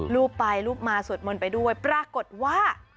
รูปไปรูปมาสวดมนต์ไปด้วยปรากฏว่า